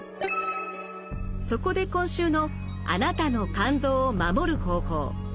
そこで今週の「あなたの肝臓を守る方法」。